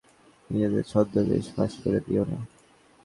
নিজেদের ছদ্মবেশ ফাঁস করে দিয়ো না।